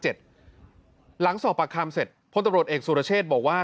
หลังสอบปากคำเสร็จพลตำรวจเอกสุรเชษบอกว่า